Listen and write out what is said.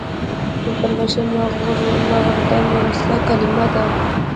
پلوشه مفرده مونثه کلمه ده.